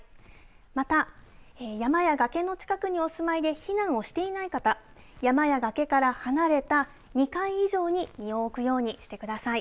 また山や崖の近くにお住まいで避難をしていない方山や崖から離れた２階以上に身を置くようにしてください。